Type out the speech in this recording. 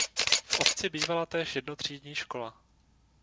V obci bývala též jednotřídní škola.